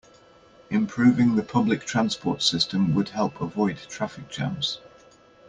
Improving the public transport system would help avoid traffic jams.